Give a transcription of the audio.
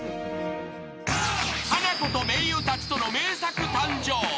［ハナコと名優たちとの名作誕生。